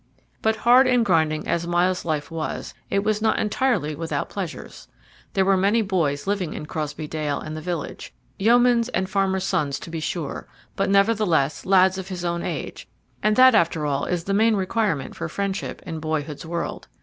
But hard and grinding as Myles's life was, it was not entirely without pleasures. There were many boys living in Crosbey Dale and the village; yeomen's and farmers' sons, to be sure, but, nevertheless, lads of his own age, and that, after all, is the main requirement for friendship in boyhood's world.